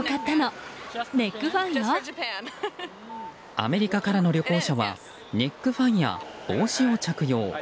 アメリカからの旅行者はネックファンや帽子を着用。